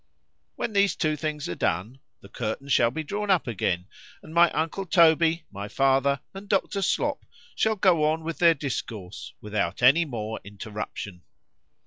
When these two things are done,—the curtain shall be drawn up again, and my uncle Toby, my father, and Dr. Slop, shall go on with their discourse, without any more interruption.